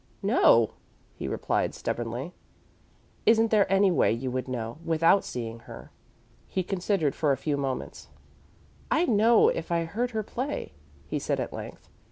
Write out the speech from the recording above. "No," he replied, stubbornly. "Isn't there any way you would know, without seeing her?" He considered for a few moments. "I'd know if I heard her play," he said at length.